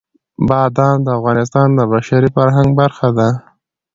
بادام د افغانستان د بشري فرهنګ برخه ده.